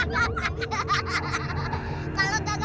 berarti kau tak punya uang